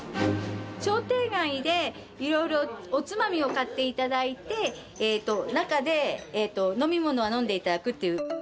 商店街でいろいろおつまみを買っていただいて、中で飲み物を飲んでいただくっていう。